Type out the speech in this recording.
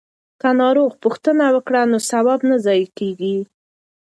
که ناروغ پوښتنه وکړو نو ثواب نه ضایع کیږي.